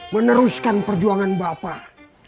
meneruskan perjuangan bapak